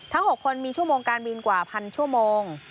ทั้ง๖คนมีชั่วโมงการบินกว่า๑๐๐๐ชั่วโมง